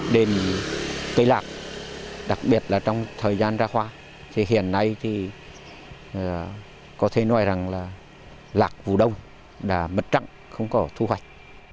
để đạt được cây lạc đặc biệt là trong thời gian ra khoa thì hiện nay thì có thể nói rằng là lạc vụ đông là mật trắng không có thu hoạch